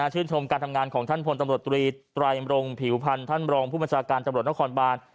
ชมการทำงานของท่านพลตำรวจตรีไตรมรงผิวพันธ์ท่านรองผู้บัญชาการตำรวจนครบาน